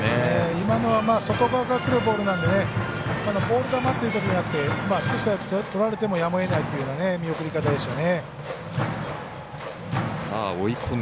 今のは外側からくるボールなんでボール球ということではなくてツーストライクとられてもやむをえないというような見送り方ですね。